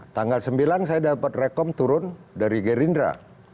tanggal sembilan saya dapat rekom turun dari gerindra